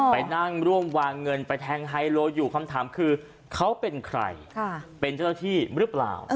ไปนั่งร่วมวางเงินไปแทงไฮโลอยู่คำถามคือเขาเป็นใครเป็นเจ้าหน้าที่หรือเปล่า